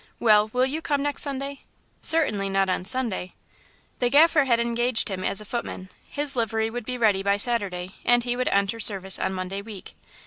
Well, will you come next Sunday?" "Certainly not on Sunday." The Gaffer had engaged him as footman: his livery would be ready by Saturday, and he would enter service on Monday week.